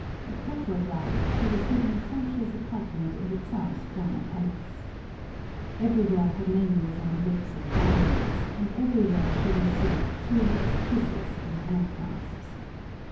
At Petrograd she was given a sumptuous apartment in the Czar's former palace. Everywhere her name was on the lips of thousands, and everywhere she received cheers, kisses and handclasps.